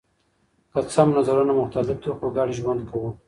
که څه هم نظرونه مختلف دي خو ګډ ژوند کوو.